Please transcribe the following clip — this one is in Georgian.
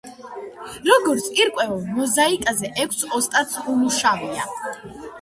როგორც ირკვევა, მოზაიკაზე ექვს ოსტატს უმუშავია.